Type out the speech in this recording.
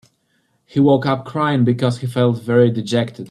He woke up crying because he felt very dejected.